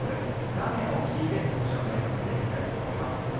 画面を引いて、少し雨予想を見ていきたいと思います。